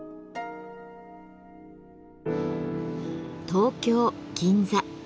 東京・銀座